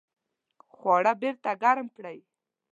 خواړه بیرته ګرم کړئ